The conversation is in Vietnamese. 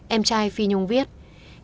em trai phi nhung viết